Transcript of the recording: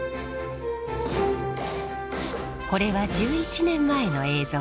これは１１年前の映像です。